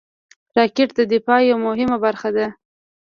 راکټ د دفاع یوه مهمه برخه ده